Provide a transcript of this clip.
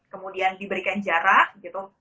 kemudian diberikan jarak gitu